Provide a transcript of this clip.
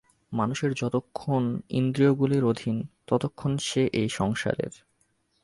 মানুষ যতক্ষণ ইন্দ্রিয়গুলির অধীন, ততক্ষণ সে এই সংসারের।